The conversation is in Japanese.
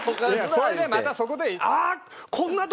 それでまたそこで。